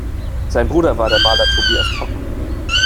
Sein Bruder war der Maler Tobias Pock.